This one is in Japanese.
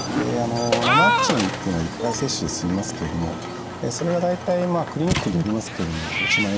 生ワクチンっていうのは１回接種で済みますけれどもそれが大体クリニックによりますけれども１万円程度。